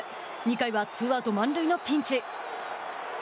２回は、ツーアウト満塁のピンチ。